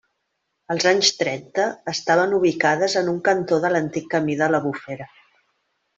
Als anys trenta estaven ubicades en un cantó de l'antic camí de la Bufera.